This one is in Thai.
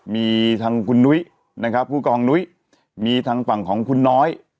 มีทางคุณนุ้ยนะครับผู้กองนุ้ยมีทางฝั่งของคุณน้อย